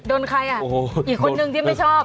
โดนใครอ่ะอีกคนนึงที่ไม่ชอบ